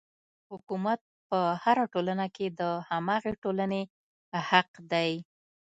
حکومت په هره ټولنه کې د هماغې ټولنې حق دی.